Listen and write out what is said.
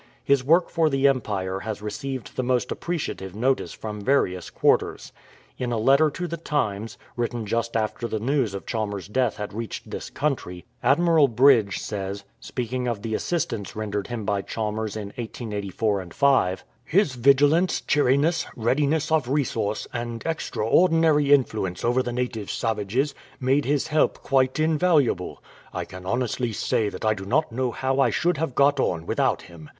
His work for the Empire has received the most appreciative notice from various quarters. In a letter to the Times, written just after the news of Chalmers' death had reached this country. Admiral Bridge says, speaking of the assistance 293 CHALMERS AS AN EXPLORER rendered him by Chalmers in 1884 5, "His vigilance, cheeriness, readiness of resource, and extraordinary influ ence over native savages, made his help quite invaluable. I can honestly say that I do not know how I should have got on without him.